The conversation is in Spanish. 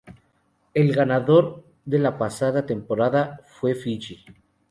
El ganador de la pasada temporada fue Fiyi.